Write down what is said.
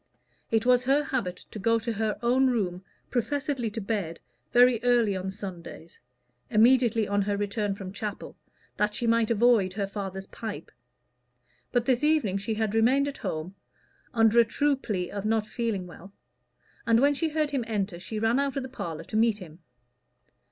It was her habit to go to her own room, professedly to bed, very early on Sundays immediately on her return from chapel that she might avoid her father's pipe. But this evening she had remained at home, under a true plea of not feeling well; and when she heard him enter, she ran out of the parlor to meet him.